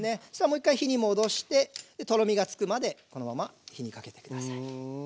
もう一回火に戻してとろみがつくまでこのまま火にかけて下さい。